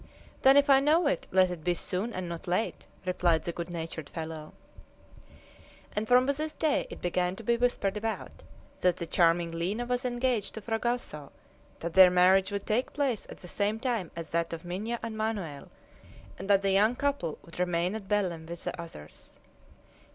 "Then if I know it, let it be soon and not late!" replied the good natured fellow. And from this day it began to be whispered about that the charming Lina was engaged to Fragoso, that their marriage would take place at the same time as that of Minha and Manoel, and that the young couple would remain at Belem with the others.